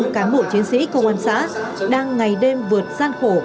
năm trăm linh cán bộ chiến sĩ công an xã đang ngày đêm vượt gian khổ